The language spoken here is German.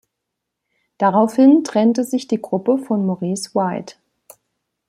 Daraufhin trennte sich die Gruppe von Maurice White.